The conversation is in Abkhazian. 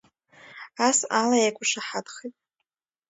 Ас ала еиқәышаҳаҭхеит.